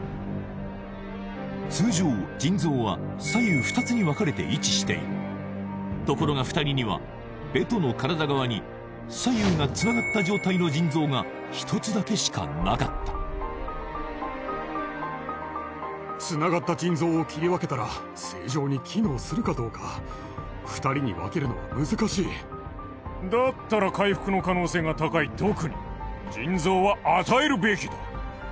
通常腎臓は左右２つに分かれて位置しているところが２人にはベトの体側に左右がつながった状態の腎臓が１つだけしかなかったつながった腎臓を切り分けたら正常に機能するかどうか２人に分けるのは難しいだったら回復の可能性が高いドクに腎臓は与えるべきだ